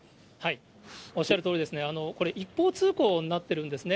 おっしゃるとおりですね、これ、一方通行になってるんですね。